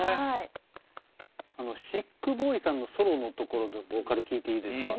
あのｂｏｙさんのソロのところのボーカル聴いていいですか？